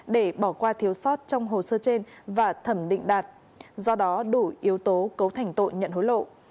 để bỏ qua thiếu sót trong hồ sơ trên và thẩm định đạt do đó đủ yếu tố cấu thành tội nhận hối lộ